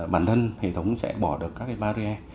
bản thân hệ thống sẽ bỏ được các cái barrier